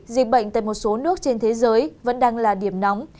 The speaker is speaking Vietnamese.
dịch bệnh tại một số nước trên thế giới vẫn đang là điểm nóng